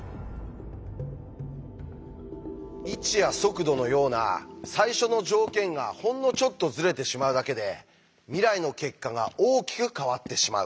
位置や速度のような最初の条件がほんのちょっとズレてしまうだけで未来の結果が大きく変わってしまう。